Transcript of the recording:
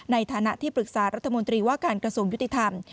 ในฐานะที่ปรึกษารัฐมนตรีว่าการกระทรวงยุติธรรม